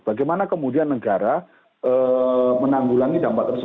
bagaimana kemudian negara menanggap